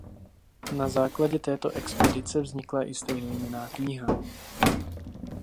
Na základě této expedice vznikla i stejnojmenná kniha.